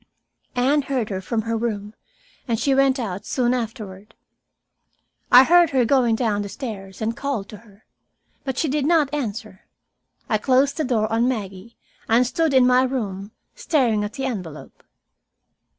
Anne heard her from her room, and she went out soon afterward. I heard her going down the stairs and called to her. But she did not answer. I closed the door on Maggie and stood in my room, staring at the envelope.